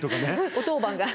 お当番が。